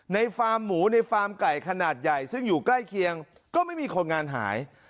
ฟาร์มหมูในฟาร์มไก่ขนาดใหญ่ซึ่งอยู่ใกล้เคียงก็ไม่มีคนงานหาย